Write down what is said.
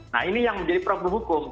nah ini yang menjadi problem hukum